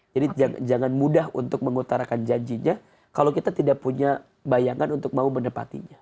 jadi jangan mudah untuk mengutarakan janjinya kalau kita tidak punya bayangan untuk mau menepatinya